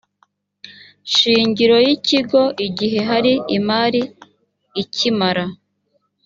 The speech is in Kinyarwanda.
shingiro y ikigo igihe hari imari ikimara